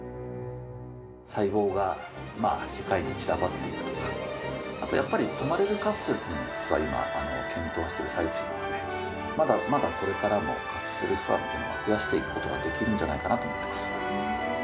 細胞が世界に散らばっていくとか、あとやっぱり、泊まれるカプセルというのも、実は今検討している最中で、まだまだこれからも、カプセルファンというのを増やしていくことができるんじゃないか